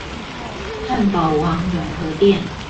漢堡王永和店